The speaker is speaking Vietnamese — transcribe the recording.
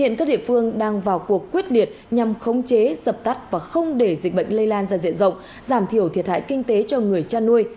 hiện các địa phương đang vào cuộc quyết liệt nhằm khống chế dập tắt và không để dịch bệnh lây lan ra diện rộng giảm thiểu thiệt hại kinh tế cho người chăn nuôi